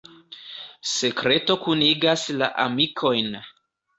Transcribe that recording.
Sekreto kunigas la amikojn.